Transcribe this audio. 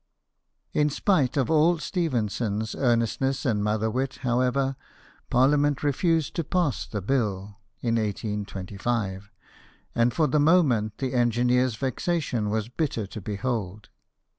In spite of all Stephenson's earnestness and mother wit, however, Parliament refused to pass the bill (in 1825), and for the moment the engineer's vexation was bitter to behold.